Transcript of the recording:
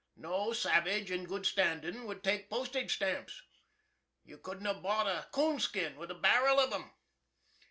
No savage in good standing would take postage stamps. You couldn't have bo't a coonskin with a barrel of 'em.